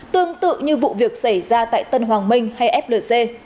tương tự như vụ việc xảy ra tại tân hoàng minh hay flc